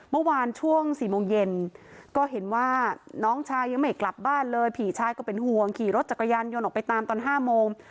เมื่อวานช่วง๔โมงเย็นก็เห็นว่าน้องชายยังไม่กลับบ้านเลยผีชายก็เป็นห่วงขี่รถจักรยานยนต์ออกไปตามตอน๕โมง